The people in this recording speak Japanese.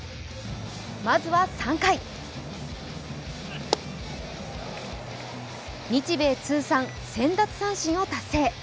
まずは３回日米通算１０００奪三振を達成。